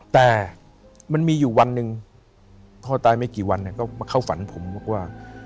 แต่มันมีอยู่วันหนึ่งพ่อตายไม่กี่วันก็มาเข้าฝันผมบอกว่า